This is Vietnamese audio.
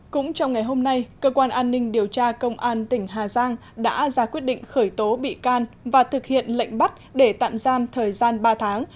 cũng trong ngày hôm nay cơ quan an ninh điều tra công an tỉnh hà giang đã ra quyết định khởi tố bị can và thực hiện lệnh bắt để tạm giam thời gian ba tháng